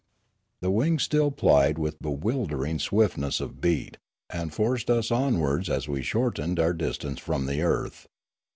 The wings still plied with bewildering swiftness of beat, and forced us onwards as we shortened our dis tance from the earth.